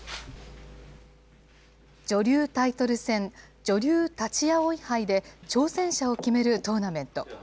女流タイトル戦、女流立葵杯で挑戦者を決めるトーナメント。